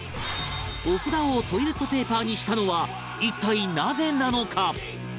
御札をトイレットペーパーにしたのは一体なぜなのか？